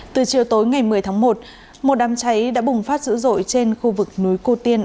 từ chiều tối ngày một mươi tháng một một đám cháy đã bùng phát dữ dội trên khu vực núi cô tiên